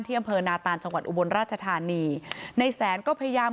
ที่บ้านอ้ำเผอร์นาตาลจังหวัดอุบลราชธานีในแสนก็พยายาม